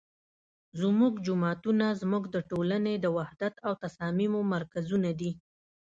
زمونږ جوماتونه زمونږ د ټولنې د وحدت او تصاميمو مرکزونه دي